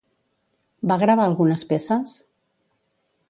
Va gravar algunes peces?